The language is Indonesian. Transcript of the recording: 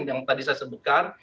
yang tadi saya sebutkan